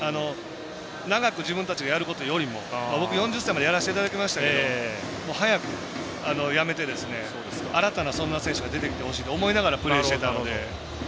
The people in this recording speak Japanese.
長く自分たちがやることよりも僕、４０歳までやらせていただきましたけど早く辞めて新たなそんな選手が出てきてほしいと思いながらプレーしてたので。